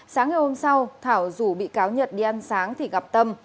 sáng ngày hôm sau thảo dù bị cáo nhật đi ăn sáng thì gặp tâm